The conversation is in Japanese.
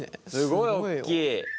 すごいおっきい。